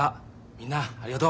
みんなありがとう！